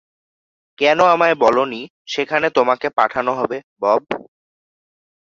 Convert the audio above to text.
কেন আমায় বলোনি সেখানে তোমাকে পাঠানো হবে, বব?